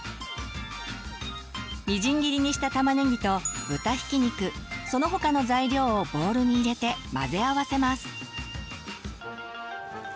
みじん切りにした玉ねぎと豚ひき肉その他の材料をボウルに入れて混ぜ合わせます。